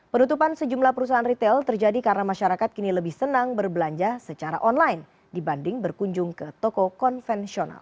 penutupan sejumlah perusahaan retail terjadi karena masyarakat kini lebih senang berbelanja secara online dibanding berkunjung ke toko konvensional